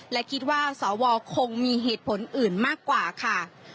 และคิดว่าสวคงมีเหตุผลอื่นมากกว่าค่ะ